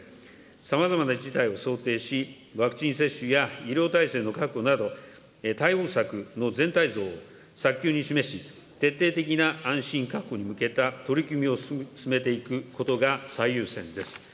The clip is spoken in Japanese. さまざまな事態を想定し、ワクチン接種や医療体制の確保など、対応策の全体像を早急に示し、徹底的な安心確保に向けた取り組みを進めていくことが最優先です。